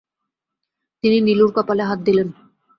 তিনি নীলুর কপালে হাত দিলেন।